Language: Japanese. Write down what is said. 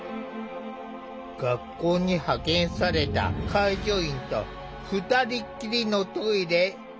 学校に派遣された介助員と二人きりのトイレ。